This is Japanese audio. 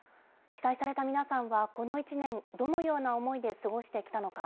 被災された皆さんは、この１年、どのような思いで過ごしてきたのか。